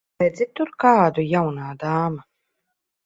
Redzi tur kādu, jaunā dāma?